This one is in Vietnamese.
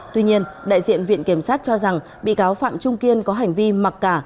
tuy nhiên đại diện viện kiểm sát cho rằng bị cáo phạm trung kiên có hành vi mặc cả